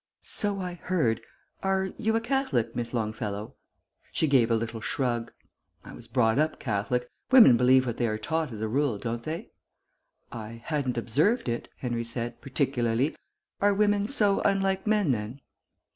"So I heard.... Are you a Catholic, Miss Longfellow?" She gave a little shrug. "I was brought up Catholic. Women believe what they are taught, as a rule, don't they?" "I hadn't observed it," Henry said, "particularly. Are women so unlike men then?"